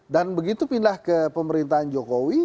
dan begitu pindah ke pemerintahan jokowi